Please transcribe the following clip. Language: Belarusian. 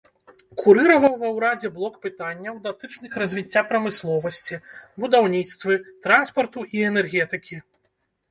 Курыраваў ва ўрадзе блок пытанняў, датычных развіцця прамысловасці, будаўніцтвы, транспарту і энергетыкі.